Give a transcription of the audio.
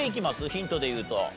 ヒントで言うと。